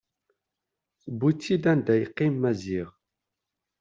Tewwi-tt-id anda yeqqim Maziɣ.